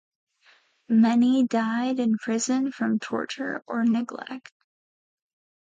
Many died in prisons from torture or neglect.